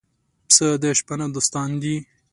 پسه د شپانه دوستان دي.